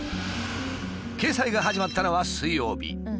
掲載が始まったのは水曜日。